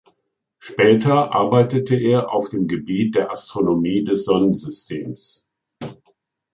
Später arbeitete er auf dem Gebiet der Astronomie des Sonnensystems.